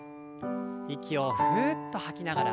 息をふうっと吐きながら。